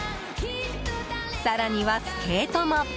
更には、スケートも。